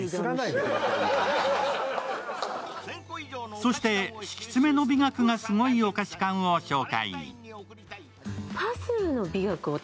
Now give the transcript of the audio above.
そして敷き詰めの美学がすごいお菓子を紹介。